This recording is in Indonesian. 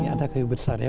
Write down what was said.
ini ada kayu besar ya